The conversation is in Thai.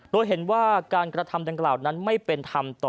โดยเห็นว่าการกระทำดังกล่าวนั้นไม่เป็นธรรมต่อ